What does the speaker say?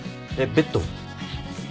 ベッド？